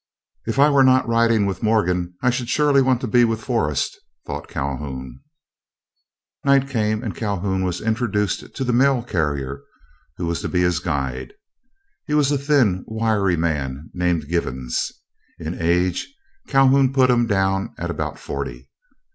"If I were not riding with Morgan, I should surely want to be with Forrest," thought Calhoun. Night came, and Calhoun was introduced to the mail carrier who was to be his guide. He was a thin, wiry man, named Givens. In age, Calhoun put him down at about forty.